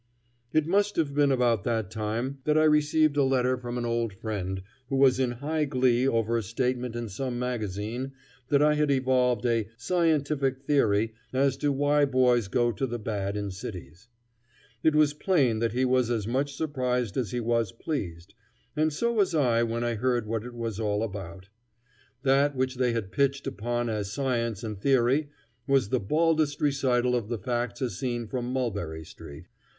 It must have been about that time that I received a letter from an old friend who was in high glee over a statement in some magazine that I had evolved a "scientific theory" as to why boys go to the bad in cities. It was plain that he was as much surprised as he was pleased, and so was I when I heard what it was all about. That which they had pitched upon as science and theory was the baldest recital of the facts as seen from Mulberry Street.